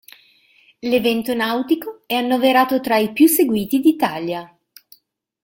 L'evento nautico è annoverato tra i più seguiti d'Italia.